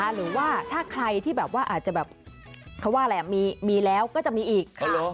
หรือว่าถ้าใครที่แบบว่าอาจจะแบบเขาว่าอะไรมีแล้วก็จะมีอีก